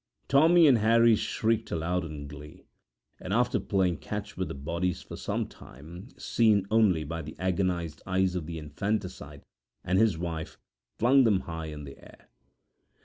Tommy and Harry shrieked aloud in glee, and after playing catch with the bodies for some time, seen only by the agonized eyes of the infanticide and his wife, flung them high in the air.